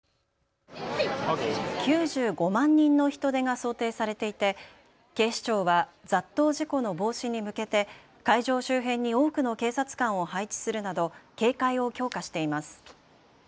９５万人の人出が想定されていて警視庁は雑踏事故の防止に向けて会場周辺に多くの警察官を配置するなど警戒を強化しています。